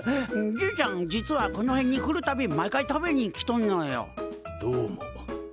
じいちゃん実はこの辺に来るたび毎回食べに来とんのよ。どうも。